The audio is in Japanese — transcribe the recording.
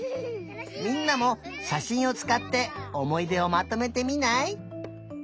みんなもしゃしんをつかっておもいでをまとめてみない？